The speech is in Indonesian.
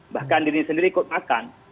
bahkan diri sendiri ikut makan